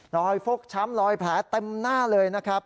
ฟกช้ำรอยแผลเต็มหน้าเลยนะครับ